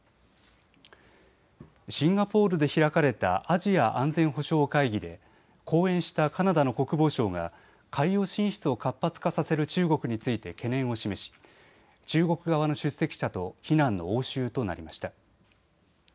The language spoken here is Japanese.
シンガポールで開かれたアジア安全保障会議で講演したカナダの国防相が海洋進出を活発化させる中国について懸念を示し中国側の出席者と非難の応酬となりました。